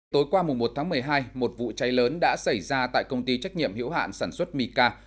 tối qua mùa một tháng một mươi hai một vụ cháy lớn đã xảy ra tại công ty trách nhiệm hiểu hạn sản xuất mika